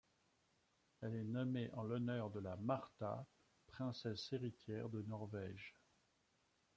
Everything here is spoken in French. Elle est nommée en l'honneur de la Martha, princesse héritière de Norvège.